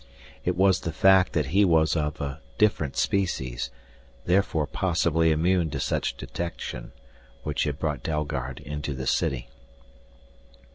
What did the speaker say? It was the fact that he was of a different species, therefore possibly immune to such detection, which had brought Dalgard into the city.